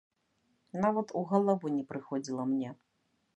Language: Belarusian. Нават у галаву не прыходзіла мне.